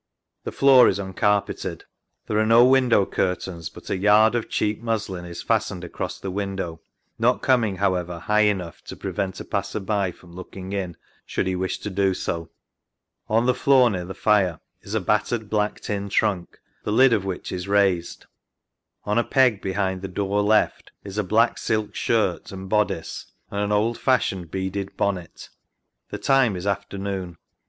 The floor is uncarpeted. There are no window curtains, but a yard of cheap muslin is fastened across the window, not coming, however, high enough to prevent a passer by from looking in should he wish to do so. On the floor, near the fire, is a battered black tin trunk, the lid of which is raised. On a peg behind the door left is a black silk skirt and bodice and an old fashioned beaded bonnet. The time is afternoon.